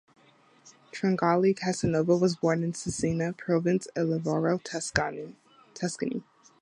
Tringali-Casanova was born in Cecina, Province of Livorno, Tuscany.